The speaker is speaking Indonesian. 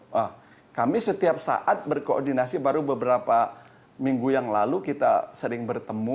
wah kami setiap saat berkoordinasi baru beberapa minggu yang lalu kita sering bertemu